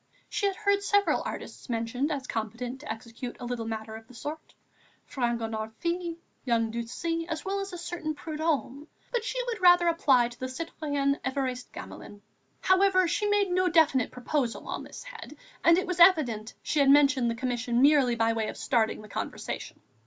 She had heard several artists mentioned as competent to execute a little matter of the sort, Fragonard fils, young Ducis, as well as a certain Prudhomme; but she would rather apply to the citoyen Évariste Gamelin. However, she made no definite proposal on this head and it was evident she had mentioned the commission merely by way of starting the conversation.